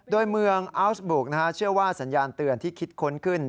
โดยเมืองอัลสบุกเชื่อว่าสัญญาณเตือนที่คิดค้นขึ้น